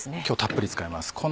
今日たっぷり使います。